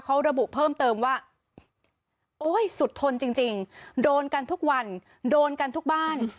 เขาระบุเพิ่มเติมว่าโอ้ยสุดทนจริงโดนกันทุกวันโดนกันทุกบ้าน